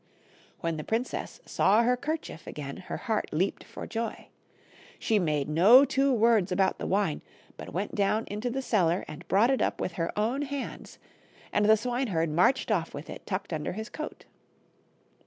When the princess saw her kerchief again her heart leaped for joy. She made no two words about the wine, but went down into the cellar and brought it up with her own hands, and the swineherd marched off with it tucked under his coat.